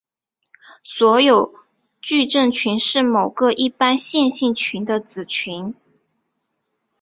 所有矩阵群是某个一般线性群的子群。